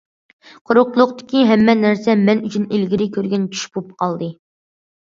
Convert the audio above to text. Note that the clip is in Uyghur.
قۇرۇقلۇقتىكى ھەممە نەرسە مەن ئۈچۈن ئىلگىرى كۆرگەن چۈش بولۇپ قالدى.